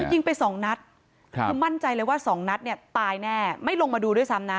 ยิงไปสองนัดคือมั่นใจเลยว่าสองนัดเนี่ยตายแน่ไม่ลงมาดูด้วยซ้ำนะ